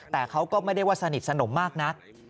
แต่เขาก็ไม่ได้ว่าสนิทสนมมากนัก